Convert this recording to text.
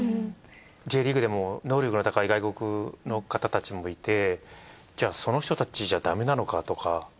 Ｊリーグでも能力の高い外国の方たちもいてじゃあその人たちじゃだめなのかとか。